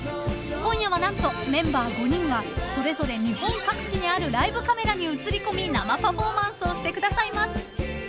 今夜は何とメンバー５人がそれぞれ日本各地にあるライブカメラに映り込み生パフォーマンスをしてくださいます。